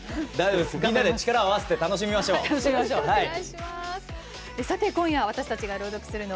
みんなで力を合わせて頑張りましょう。